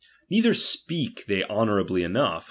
Neither speak they honourably enough cuap.